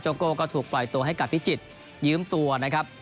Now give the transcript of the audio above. โก้ก็ถูกปล่อยตัวให้กับพิจิตรยืมตัวนะครับ